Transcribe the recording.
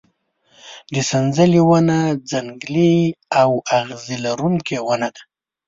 د سنځلې ونه ځنګلي او اغزي لرونکې ونه ده.